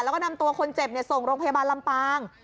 แล้วก็นำตัวคนเจ็บส่งโรงพยาบาลลำปาง